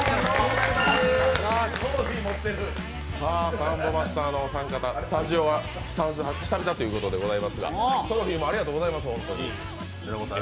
サンボマスターのお三方、スタジオは久々ということでありますがトロフィーもありがとうございます。